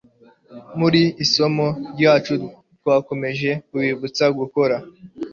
Muri iri somo ryacu twakomeje kubibutsa gukora